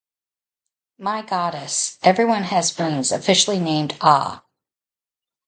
My Goddess: Everyone Has Wings", officially named "Ah!